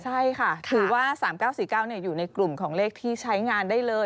ใช่ค่ะถือว่า๓๙๔๙อยู่ในกลุ่มของเลขที่ใช้งานได้เลย